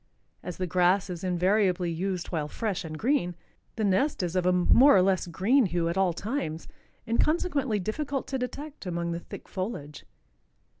As the grass is invariably used while fresh and green, the nest is of a more or less green hue at all times, and consequently difficult to detect among the thick foliage.